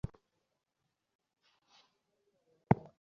তিনি পুশকিনের সাথে পরিচিত হন।